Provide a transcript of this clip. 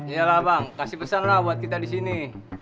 ya lah bang kasih pesan lah buat kita di sini